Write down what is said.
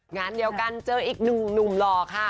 งานเดียวกันเจออีกหนึ่งหนุ่มหล่อค่ะ